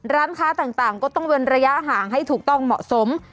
ร้านค้าต่างก็ต้องเว้นระยะห่างให้ถูกต้องเหมาะสม